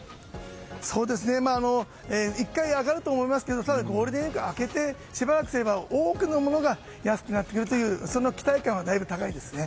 １回上がると思いますがただ、ゴールデンウィークが明けて、しばらくすれば多くのものが安くなるというそんな期待感はだいぶ高いですね。